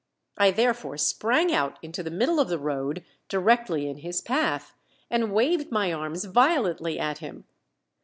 I therefore sprang out into the middle of the road, directly in his path, and waved my arms violently at him.